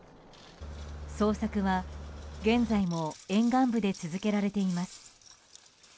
捜索は現在も沿岸部で続けられています。